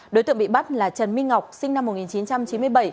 đối tượng bị bắt là trần minh ngọc sinh năm một nghìn chín trăm chín mươi bảy